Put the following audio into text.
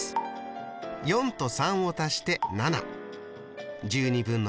４と３を足して７。